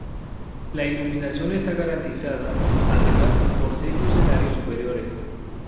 La iluminación está garantizada además por seis lucernarios superiores.